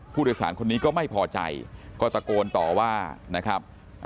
ผู้โดยสารคนนี้ก็ไม่พอใจก็ตะโกนต่อว่านะครับ